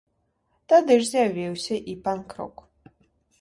Тады ж з'явіўся і панк-рок.